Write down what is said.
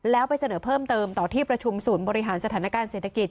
แล้วไปเสนอเพิ่มเติมต่อที่ประชุมศูนย์บริหารสถานการณ์เศรษฐกิจ